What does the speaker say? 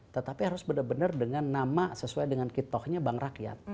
tetapi harus benar benar dengan nama sesuai dengan kitohnya bank rakyat